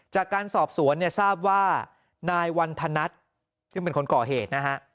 จากการสอบสวนเนี่ยทราบว่านายวันธนัทซึ่งเป็นคนก่อเหตุนะฮะ